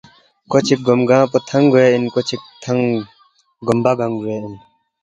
کوچی گوم گنگ پو تھنگ گوے ان کو چی تھنگ گومبہ گنگ گوے ان